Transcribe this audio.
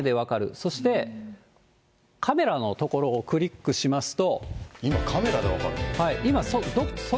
そして、カメラの所をクリックしますと。